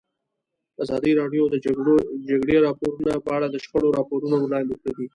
ازادي راډیو د د جګړې راپورونه په اړه د شخړو راپورونه وړاندې کړي.